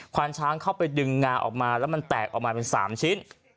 ความช้างเข้าไปดึงงาออกมาแล้วมันแตกออกมาเป็น๓ชิ้น